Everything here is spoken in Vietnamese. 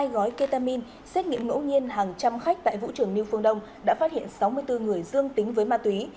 hai gói ketamin xét nghiệm ngẫu nhiên hàng trăm khách tại vũ trường new phương đông đã phát hiện sáu mươi bốn người dương tính với ma túy